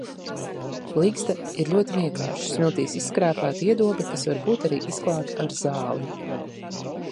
Ligzda ir ļoti vienkārša, smiltīs izskrāpēta iedobe, kas var būt arī izklāta ar zāli.